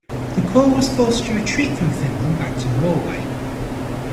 The corps was forced to retreat from Finland back to Norway.